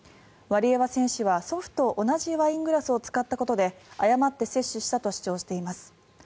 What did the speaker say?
ワリエワ選手は祖父と同じワイングラスを使ったことで誤って摂取したと主張しています。